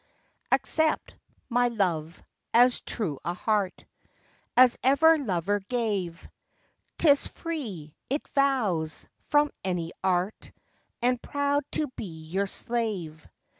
Accept, my love, as true a heart As ever lover gave: 'Tis free, it vows, from any art, And proud to be your slave.